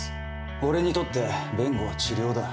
俺にとって弁護は治療だ。